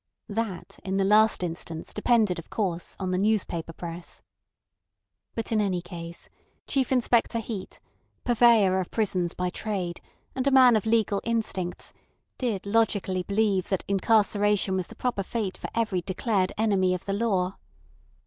That in the last instance depended, of course, on the newspaper press. But in any case, Chief Inspector Heat, purveyor of prisons by trade, and a man of legal instincts, did logically believe that incarceration was the proper fate for every declared enemy of the law.